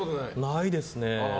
ないですね。